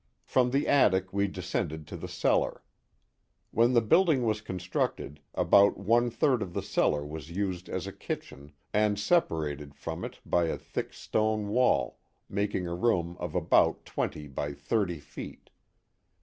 From the attic we descended to the cellar. When the building was constructed about one third of the cellar was used as a kitchen and separated from it by a thick stone wall, making a room of about twenty by thirty feet.